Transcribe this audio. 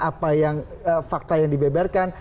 apa yang fakta yang dibeberkan